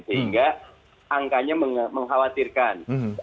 sehingga angkanya mengkhawatirkan